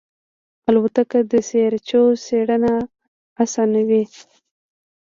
الوتکه د سیارچو څېړنه آسانوي.